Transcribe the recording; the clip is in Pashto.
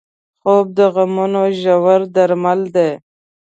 خوب د غمونو ژور درمل دی